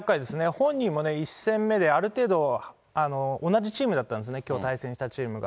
本人もね、１戦目である程度同じチームだったんですね、きょう対戦したチームが。